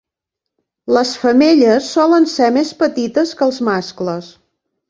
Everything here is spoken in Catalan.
Les femelles solen ser més petites que els mascles.